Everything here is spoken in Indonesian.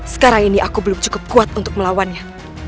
sekarang ini aku belum cukup kuat untuk melawannya